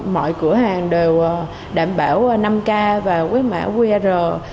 mọi cửa hàng đều đảm bảo năm k và quyết mạng qr